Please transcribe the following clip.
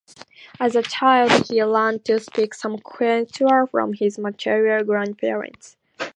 As a child, he learned to speak some Quechua from his maternal grandparents.